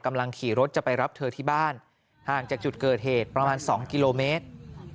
กำลังขี่รถจะไปรับเธอที่บ้านห่างจากจุดเกิดเหตุประมาณ๒กิโลเมตร